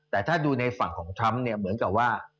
แต่ถ้าดูในฝั่งของทรัมป์เนี่ยเหมือนกับว่า